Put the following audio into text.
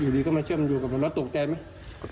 อยู่ดีก็มาเชื่อมดูกับมันแล้วตกใจไหม